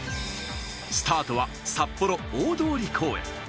スタートは札幌大通公園。